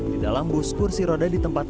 di dalam bus kursi roda ditempatkan